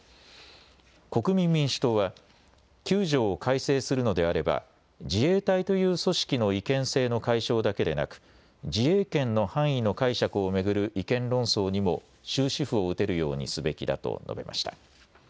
国民民主党は９条を改正するのであれば自衛隊という組織の違憲性の解消だけでなく、自衛権の範囲の解釈を巡る違憲論争にも終止符を打てるようにすべきだと述べました。